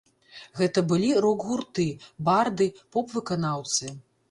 Гэта былі рок-гурты, барды, поп-выканаўцы.